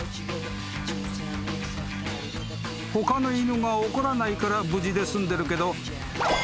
［他の犬が怒らないから無事で済んでるけど］